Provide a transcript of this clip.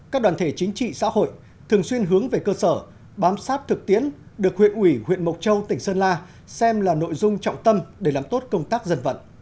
các đoàn thể chính trị xã hội thường xuyên hướng về cơ sở bám sát thực tiễn được huyện ủy huyện mộc châu tỉnh sơn la xem là nội dung trọng tâm để làm tốt công tác dân vận